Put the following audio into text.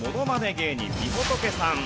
芸人みほとけさん。